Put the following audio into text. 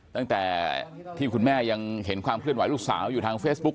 ตั้งแต่ที่คุณแม่ยังเห็นความเคลื่อนไหวลูกสาวอยู่ทางเฟซบุ๊ค